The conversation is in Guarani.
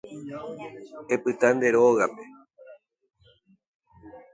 Epyta nde rógape